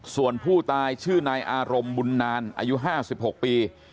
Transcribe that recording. ส่วนผู้ตายชื่อนายอารมณ์บุญนานอายุ๕๖ปี